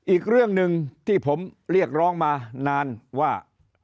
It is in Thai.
อีกเรื่องหนึ่งที่ผมเรียกร้องมานานว่า